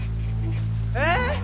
えっ！？